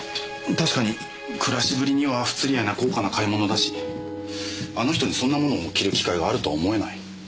確かに暮らしぶりには不釣り合いな高価な買い物だしあの人にそんなものを着る機会があるとは思えない。